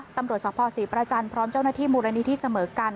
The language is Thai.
ตำรวจสภศรีประจันทร์พร้อมเจ้าหน้าที่มูลนิธิเสมอกัน